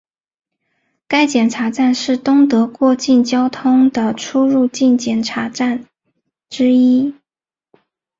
该检查站是东德过境交通的出入境检查站之一。